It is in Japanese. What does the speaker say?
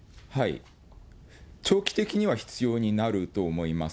長期的には必要になると思います。